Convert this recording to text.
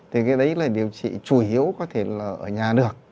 thì cái đấy là điều trị chủ yếu có thể là ở nhà được